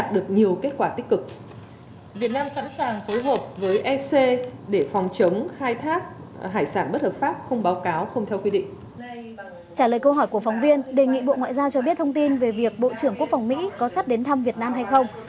trả lời câu hỏi của phóng viên đề nghị bộ ngoại giao cho biết thông tin về việc bộ trưởng quốc phòng mỹ có sắp đến thăm việt nam hay không